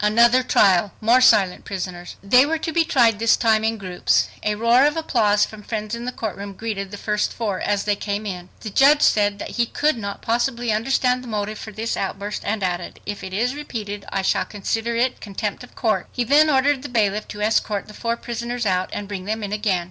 Another trial! More silent prisoners! They were to be tried this time in groups. A roar of applause from friends in the courtroom greeted the first four as they came in. The judge said that he could not possibly understand the motive for this outburst, and added, "If it is repeated, I shall consider it contempt of court." He then ordered the bailiff to escort the four prisoners out and bring them in again.